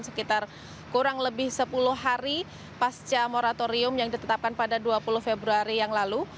sekitar kurang lebih sepuluh hari pasca moratorium yang ditetapkan pada dua puluh februari yang lalu